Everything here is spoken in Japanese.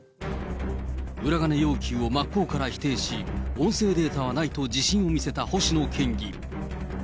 裏金要求を真っ向から否定し、音声データはないと自信を見せた星野県議。